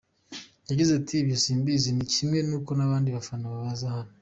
Yagize ati “Ibyo simbizi, ni kimwe n’uko n’abandi bafana baza aha.